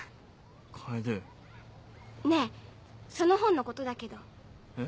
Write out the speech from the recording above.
楓。ねぇその本のことだけど。